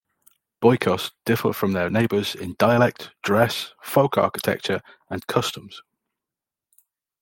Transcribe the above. Boykos differ from their neighbors in dialect, dress, folk architecture, and customs.